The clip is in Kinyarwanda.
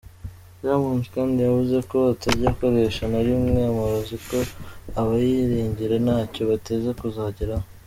Diamond kandi yavuze ko atajya akoresha na rimwe amarozi ko abayiringira ntacyo bateze kuzageraho.